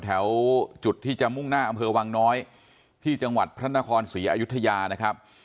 แถวจุดที่จะมุ่งหน้าอำเภอวังน้อยที่จังหวัดพระนครศรีอยุธยานะครับ